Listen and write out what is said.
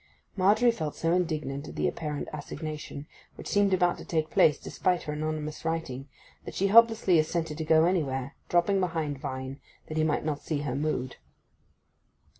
Margery felt so indignant at the apparent assignation, which seemed about to take place despite her anonymous writing, that she helplessly assented to go anywhere, dropping behind Vine, that he might not see her mood.